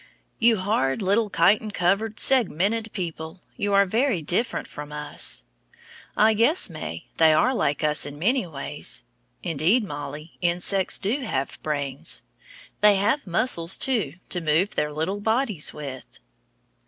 You hard little chitin covered, segmented people, you are very different from us. Ah! yes, May, they are like us in many ways. Indeed, Mollie, insects do have brains. They have muscles, too, to move their little bodies with.